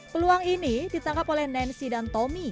peluang ini ditangkap oleh nancy dan tommy